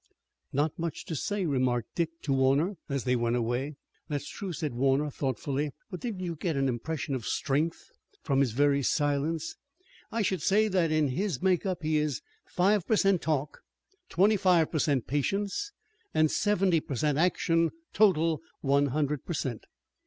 "Not much to say," remarked Dick to Warner, as they went away. "That's true," said Warner, thoughtfully, "but didn't you get an impression of strength from his very silence? I should say that in his make up he is five per cent talk, twenty five per cent patience and seventy per cent action; total, one hundred per cent."